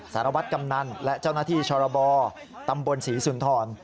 สารวัตรกำนันและเจ้าหน้าที่ชรบตำบลศรีสุนทร